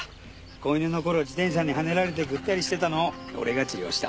子犬の頃自転車にはねられてぐったりしてたのを俺が治療した。